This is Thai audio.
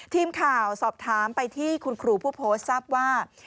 ทีมข่าวสอบถามไปที่คุณครูผู้โพสต์ทราบว่า